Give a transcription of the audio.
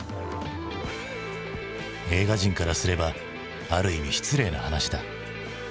映画人からすればある意味失礼な話だ。